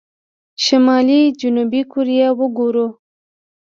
شمالي جنوبي کوريا وګورو.